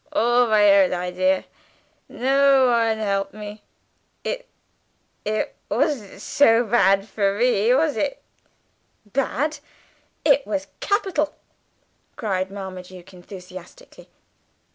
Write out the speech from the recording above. "All my own idea. No one helped me. It it washn't sho bad for me, wash it?" "Bad! it was capital!" cried Marmaduke enthusiastically.